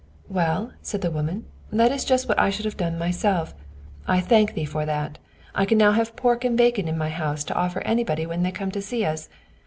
"Well," said the woman, "that is just what I should have done myself; I thank thee for that. I can now have pork and bacon in my house to offer anybody when they come to see us.